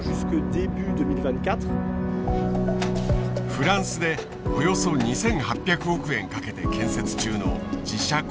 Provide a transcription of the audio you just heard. フランスでおよそ２，８００億円かけて建設中の自社工場。